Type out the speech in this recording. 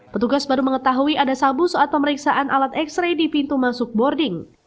petugas baru mengetahui ada sabu saat pemeriksaan alat x ray di pintu masuk boarding